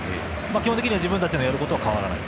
基本的には自分たちのやることは変わらない。